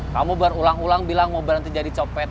kamu berulang ulang bilang mau berhenti jadi copet